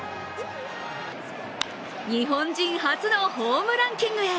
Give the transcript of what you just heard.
日本人初のホームランキングへ。